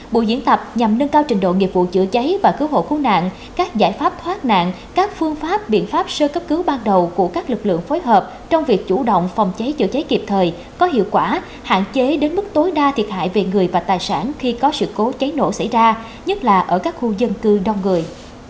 bộ diễn tập nhằm nâng cao trình độ nghiệp vụ chữa cháy và cứu hộ cứu nạn các giải pháp thoát nạn các phương pháp biện pháp sơ cấp cứu ban đầu của các lực lượng phối hợp trong việc chủ động phòng cháy chữa cháy kịp thời có hiệu quả hạn chế đến mức tối đa thiệt hại về người và tài sản khi có sự cố cháy nổ xảy ra nhất là ở các khu dân cư đông người